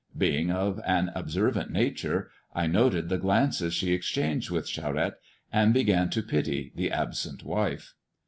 Being of an obser vant nature, I noted the glances she exchanged with Oharette, and began to pity the absent wife.